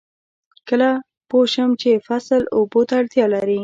کله پوه شم چې فصل اوبو ته اړتیا لري؟